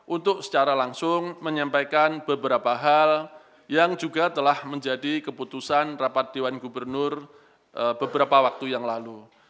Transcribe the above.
untuk secara langsung menyampaikan beberapa hal yang juga telah menjadi keputusan rapat dewan gubernur beberapa waktu yang lalu